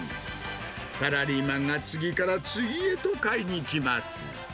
サラリーマンが次から次へと買いに来ます。